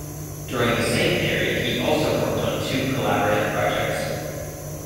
During the same period he also worked on two collaborative projects.